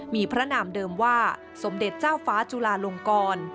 มีพระนามเดิมว่าสมเด็จเจ้าฟ้าจุลาลงกร